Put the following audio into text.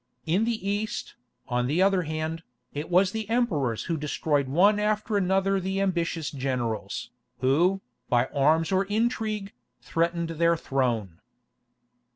In the East, on the other hand, it was the emperors who destroyed one after another the ambitious generals, who, by arms or intrigue, threatened their throne.